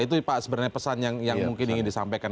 itu pak sebenarnya pesan yang mungkin ingin disampaikan